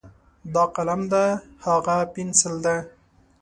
دا قلم ده، هاغه پینسل ده.